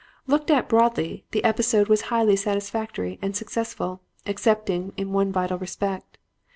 "Looked at broadly, the episode was highly satisfactory and successful excepting in one vital respect.